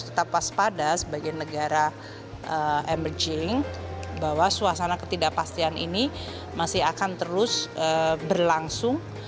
kita pas pada sebagai negara emerging bahwa suasana ketidakpastian ini masih akan terus berlangsung